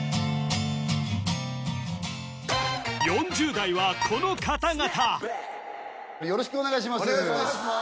４０代はこの方々よろしくお願いします